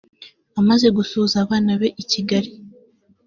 Amaze gusuhuza abafana be i Kigali